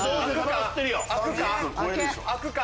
開くか？